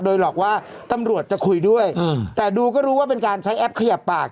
โดยหลอกว่าตำรวจจะคุยด้วยแต่ดูก็รู้ว่าเป็นการใช้แอปขยับปาก